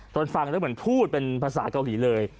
ฟังแล้วเหมือนพูดเป็นภาษาเกาหลีเลย